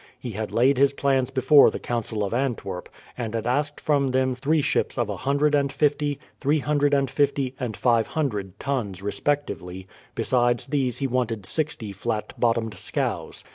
He had laid his plans before the Council of Antwerp, and had asked from them three ships of a hundred and fifty, three hundred and fifty, and five hundred tons respectively, besides these he wanted sixty flat bottomed scows.